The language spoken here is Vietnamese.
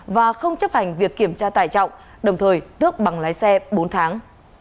và không chấp hành việc kiểm tra tài trọng đồng thời tước bằng lái xe bốn tháng